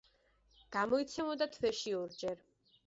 გამოიცემოდა თვეში ორჯერ.